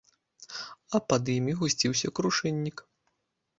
І пад імі гусціўся крушыннік.